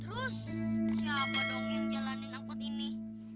terus siapa dong yang jalanin angkot ini